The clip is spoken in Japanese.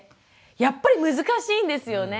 やっぱり難しいんですよね。